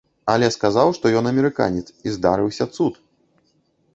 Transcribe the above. Але сказаў, што ён амерыканец, і здарыўся цуд!